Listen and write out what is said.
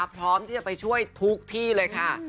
พร้อมที่จะไปช่วยทุกที่เลยค่ะ